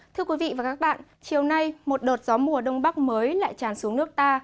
thưa quý vị và các bạn chiều nay một đợt gió mùa đông bắc mới lại tràn xuống nước ta